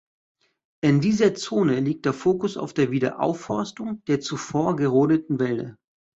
In dieser Zone liegt der Fokus auf der Wiederaufforstung der zuvor gerodeten Wälder.